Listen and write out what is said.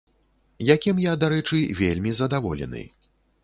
Якім я, дарэчы, вельмі задаволены.